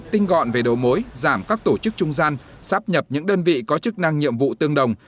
tinh gọn về đầu mối giảm các tổ chức trung gian sắp nhập những đơn vị có chức năng nhiệm vụ tương đồng